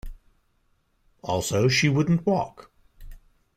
Also, she wouldn't walk.